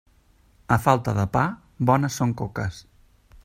A falta de pa, bones són coques.